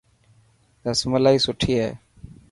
رسملا سٺي هي.